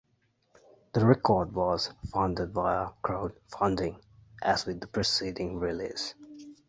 The record was funded via crowdfunding, as with the preceding release.